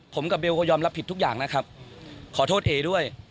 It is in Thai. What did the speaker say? ผมกับเบลก็ยอมรับผิดทุกอย่างนะครับขอโทษเอด้วย